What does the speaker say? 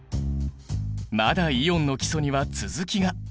まだイオンの基礎には続きが！